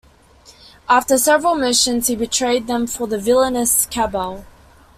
After several missions, he betrayed them for the villainous Cabal.